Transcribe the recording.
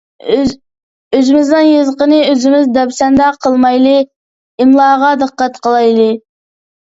ئۆزىمىزنىڭ يېزىقىنى ئۆزىمىز دەپسەندە قىلمايلى! ئىملاغا دىققەت قىلايلى!